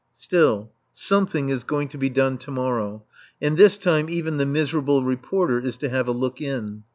Still, something is going to be done to morrow, and this time, even the miserable Reporter is to have a look in.